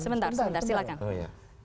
sebentar sebentar silahkan